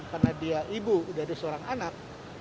karena dia ibu dari seorang anak